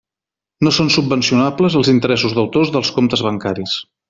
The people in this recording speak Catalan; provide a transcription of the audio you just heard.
No són subvencionables els interessos deutors dels comptes bancaris.